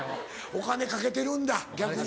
お金かけてるんだ逆に。